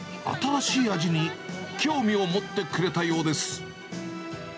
新しい味に興味を持ってくれたようです。